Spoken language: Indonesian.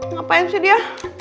ngapain sih dia